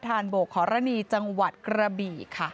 โบกขอรณีจังหวัดกระบี่ค่ะ